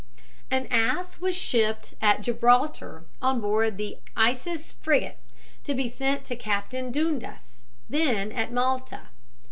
An ass was shipped at Gibraltar on board the Isis frigate, to be sent to Captain Dundas, then at Malta.